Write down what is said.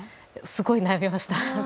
すごい悩みました。